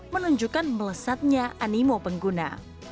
menunjukkan melesatnya animo pengguna